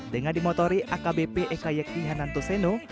dengan dimotori akbp ekayek tihannanto seno